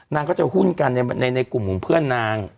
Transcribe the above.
นางก็จะหุ้นกันในกลุ่มของเพื่อนนาง